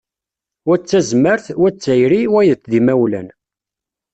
Wa d tazmart, wa d tayri, wayeḍ d imawlan.